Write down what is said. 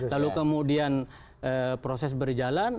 lalu kemudian proses berjalan